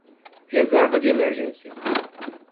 Reserva de emergência